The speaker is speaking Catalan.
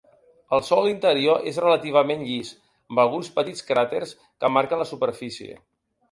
El sòl interior és relativament llis, amb alguns petits craters que marquen la superfície.